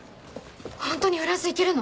ホントにフランス行けるの？